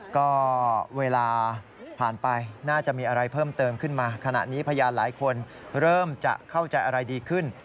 ก็เวลาผ่านไปน่าจะมีอะไรเพิ่มเติมขึ้นมาขณะนี้พยานหลายคนเริ่มจะเข้าใจอะไรดีขึ้น